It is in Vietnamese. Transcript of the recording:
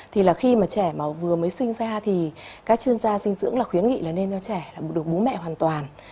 thì là khi mà trẻ mà vừa mới sinh ra thì các chuyên gia dinh dưỡng là khuyến nghị là nên cho trẻ là được bố mẹ hoàn toàn